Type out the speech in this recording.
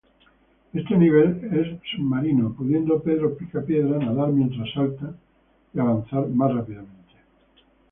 Este nivel es submarino, pudiendo Pedro Picapiedra nadar mientras salta y avanzar más rápidamente.